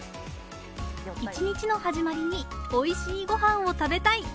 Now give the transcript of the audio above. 一日の始まりにおいしい御飯を食べたい。